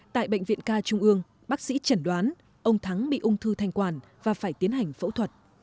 tại bệnh viện ca trung ương bác sĩ chẩn đoán ông thắng bị ung thư thanh quản và phải tiến hành phẫu thuật